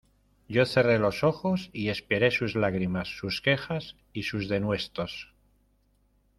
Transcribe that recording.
yo cerré los ojos y esperé sus lágrimas, sus quejas , sus denuestos